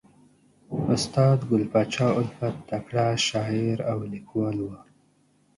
استاد ګل پاچا الفت تکړه شاعر او لیکوال ؤ.